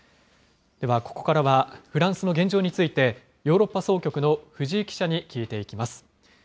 ではここからは、フランスの現状についてヨーロッパ総局の藤井記者に聞いていきます。